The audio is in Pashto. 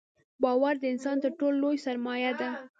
• باور د انسان تر ټولو لوی سرمایه ده.